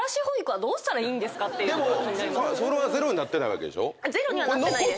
でもそれはゼロになってないわけでしょ。